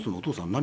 「何？